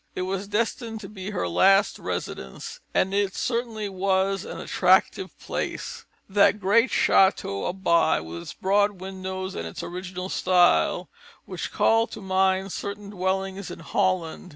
It was destined to be her last residence; and it certainly was an attractive place, that great chateau of By, with its broad windows and its original style, which called to mind certain dwellings in Holland.